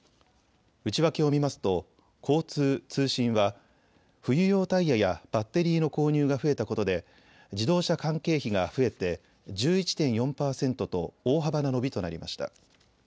内訳を見ますと交通・通信は冬用タイヤやバッテリーの購入が増えたことで自動車関係費が増えて１１．４％と大幅な伸びとなりました。